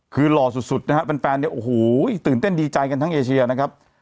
คือหล่อสุดนะฮะแฟนเนี่ยโอ้โหตื่นเต้นดีใจกันทั้งเอเชียนะครับ